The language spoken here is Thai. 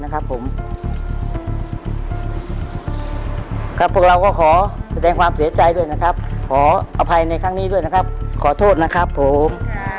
พวกเราก็ขอแสดงความเสียใจด้วยนะครับขออภัยในครั้งนี้ด้วยนะครับขอโทษนะครับผม